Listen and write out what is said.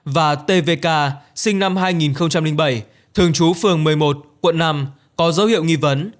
và tvk sinh năm hai nghìn bảy thường trú phường một mươi một quận năm có dấu hiệu nghi vấn